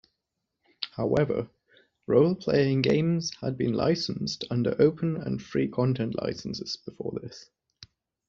However, role-playing games had been licensed under open and free content licenses before this.